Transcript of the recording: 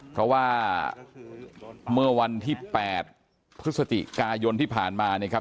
เพราะว่าเมื่อวันที่๘พฤศจิกายนที่ผ่านมาเนี่ยครับ